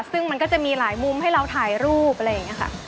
ซึ่งมันก็จะมีหลายมุมให้เราถ่ายรูปอะไรอย่างนี้ค่ะ